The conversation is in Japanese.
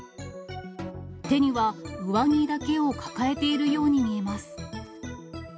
手には、上着だけを抱えているように見えます。